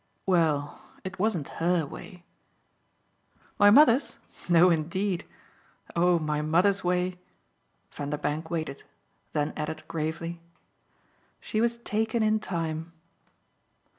"Well, it wasn't HER way." "My mother's? No indeed. Oh my mother's way !" Vanderbank waited, then added gravely: "She was taken in time."